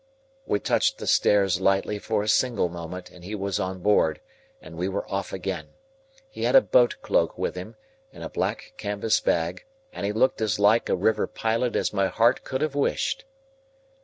We touched the stairs lightly for a single moment, and he was on board, and we were off again. He had a boat cloak with him, and a black canvas bag; and he looked as like a river pilot as my heart could have wished.